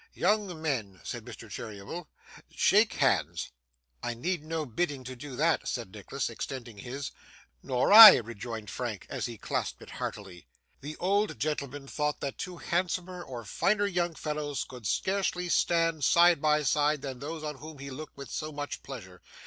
'Young men,' said Mr. Cheeryble, 'shake hands!' 'I need no bidding to do that,' said Nicholas, extending his. 'Nor I,' rejoined Frank, as he clasped it heartily. The old gentleman thought that two handsomer or finer young fellows could scarcely stand side by side than those on whom he looked with so much pleasure.